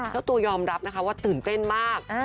เจ้าตัวยอมรับนะคะว่าตื่นเต้นมาก